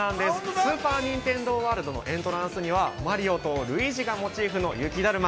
スーパー・ニンテンドー・ワールドのエントランスには、マリオとルイージが、雪だるま。